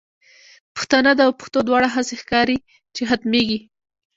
پښتانه او پښتو دواړه، هسی ښکاری چی ختمیږی